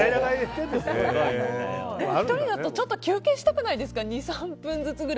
１人だとちょっと休憩したくないですか。